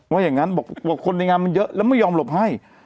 ว่าอย่างนั้นบอกว่าคนในงานมันเยอะแล้วไม่ยอมหลบให้